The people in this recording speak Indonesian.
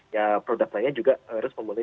ya produsen lainnya juga harus memenuhi